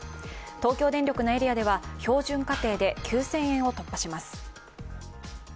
東京電力のエリアでは標準家庭で９０００円突破します。